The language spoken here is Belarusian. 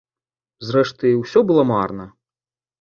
Зрэшты, усё было марна.